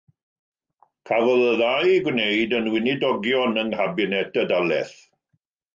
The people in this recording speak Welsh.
Cafodd y ddau eu gwneud yn weinidogion yng nghabinet y dalaith.